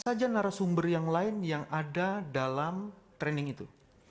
apa saja narasumber yang lain yang ada dalam training itu